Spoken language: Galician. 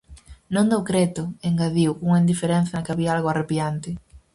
Non dou creto! -engadiu, cunha indiferenza na que había algo arrepiante-.